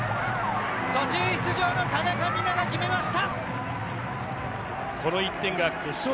途中出場の田中美南が決めました。